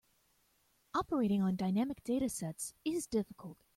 Operating on dynamic data sets is difficult.